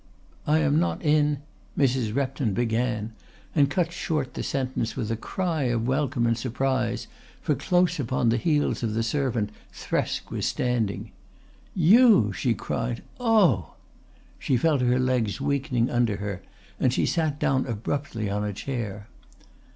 "I am not in " Mrs. Repton began and cut short the sentence with a cry of welcome and surprise, for close upon the heels of the servant Thresk was standing. "You!" she cried. "Oh!" She felt her legs weakening under her and she sat down abruptly on a chair.